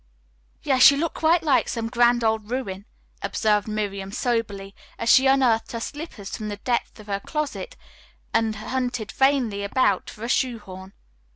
"Yes, you look quite like some grand old ruin," observed Miriam soberly, as she unearthed her slippers from the depths of her closet and hunted vainly about for a shoe horn.